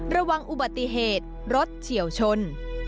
ระวังอุบัติเหตุรถเฉียวชน